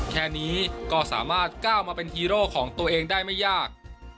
แค่นี้ก็สามารถก้าวมาเป็นฮีโร่ของตัวเองได้ไม่ยาก